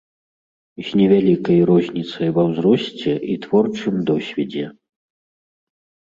З невялікай розніцай ва ўзросце і творчым досведзе.